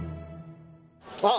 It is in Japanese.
あっ！